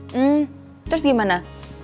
hmm terus gimana